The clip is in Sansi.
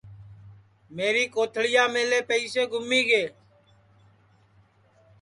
میری کوتھݪِیاملے پیئیسے گُمی گے